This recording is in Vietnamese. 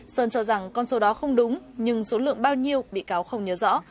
sơn cho rằng con số đó không đúng nhưng số lượng bao nhiêu bị cáo không nhớ rõ